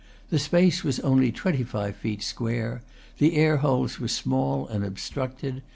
The space was only twenty feet square. The air holes were small and obstructed.